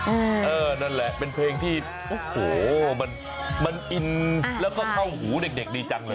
เออนั่นแหละเป็นเพลงที่โอ้โหมันมันอินแล้วก็เข้าหูเด็กเด็กดีจังเลย